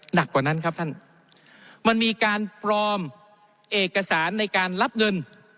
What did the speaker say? หนักกว่านั้นครับท่านมันมีการปลอมเอกสารในการรับเงิน